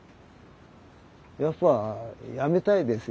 やっぱやめたいですよ